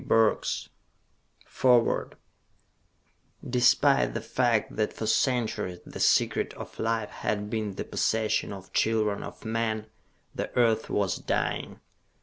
Burks_ FOREWORD _Despite the fact that for centuries the Secret of Life had been the possession of children of men, the Earth was dying.